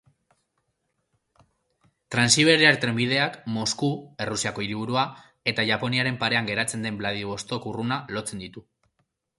Transiberiar Trenbideak Mosku Errusiako hiriburua eta Japoniaren parean geratzen den Vladivostok hurruna lotzen ditu.